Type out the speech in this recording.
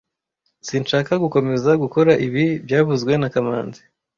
Sinshaka gukomeza gukora ibi byavuzwe na kamanzi